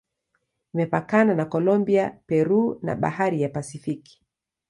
Imepakana na Kolombia, Peru na Bahari ya Pasifiki.